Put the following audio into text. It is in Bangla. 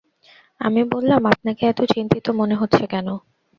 আমি বললাম, আপনাকে এত চিন্তিত মনে হচ্ছে কেন?